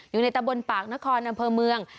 อยู่ในตะบนปากนครอำเภอเมือง